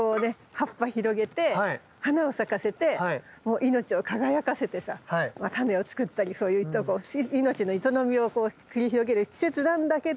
葉っぱ広げて花を咲かせてもう命を輝かせてさ種を作ったりそういう命の営みを繰り広げる季節なんだけど！